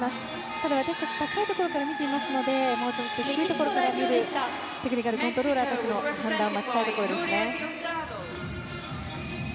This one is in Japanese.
ただ、私たち、高いところから見ていますので低いところから見るテクニカルコントローラーたちの判断を待ちたいところですね。